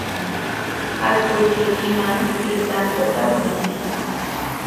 Alpurhaykiman kay tanta winay.